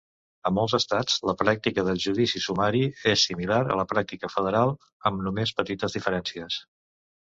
A molts estats la pràctica del judici sumari és similar a la pràctica federal, amb només petites diferències.